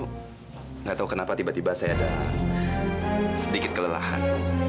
tidak tahu kenapa tiba tiba saya ada sedikit kelelahan